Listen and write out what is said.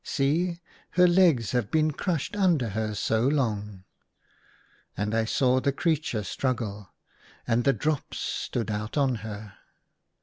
See, her legs have been crushed under her so long." And I saw the creature struggle : and the drops stood out on her.